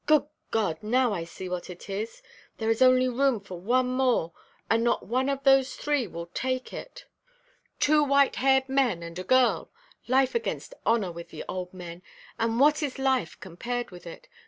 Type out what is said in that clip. Good God! now I see what it is. There is only room for one more, and not one of those three will take it. Two white–haired men and a girl. Life against honour with the old men; and what is life compared with it?